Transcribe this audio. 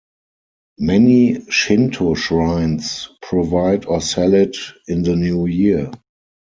Many Shinto shrines provide or sell it in the New Year.